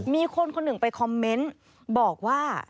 มีคนคนหนึ่งไปคอมเมนต์บอกว่า